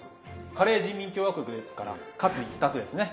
カレー人民共和国ですからカツ一択ですね。